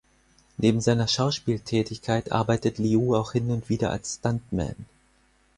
Neben seiner Schauspieltätigkeit arbeitet Liu auch hin und wieder als Stuntman.